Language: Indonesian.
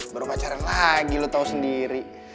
baru pacaran lagi lo tau sendiri